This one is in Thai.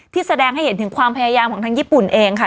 แสดงให้เห็นถึงความพยายามของทางญี่ปุ่นเองค่ะ